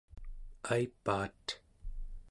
aipaat